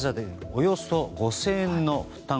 およそ５０００円の負担